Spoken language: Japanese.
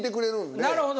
なるほど。